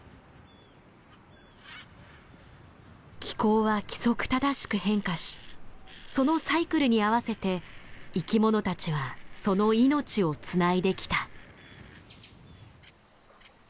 気候は規則正しく変化しそのサイクルに合わせて生きものたちはその命をつないできた。